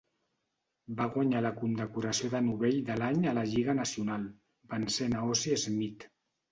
Va guanyar la condecoració de novell de l"any a la Lliga Nacional, vencent a Ozzie Smith.